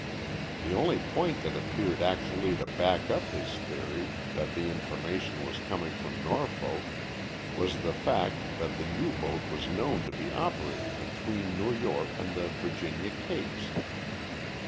The only point that appeared actually to back up his theory that the information was coming from Norfolk was the fact that the U boat was known to be operating between New York and the Virginia capes.